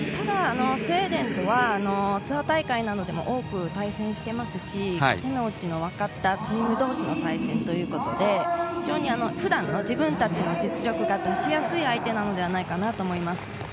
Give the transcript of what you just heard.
ただ、スウェーデンとはツアー大会などでも多く対戦していますし、手のうちがわかったチーム同士の対戦ということで、普段の自分たちの実力が出しやすい相手なのではないかと思います。